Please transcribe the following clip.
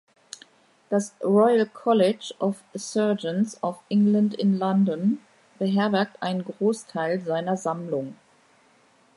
Das Royal College of Surgeons of England in London beherbergt einen Großteil seiner Sammlung.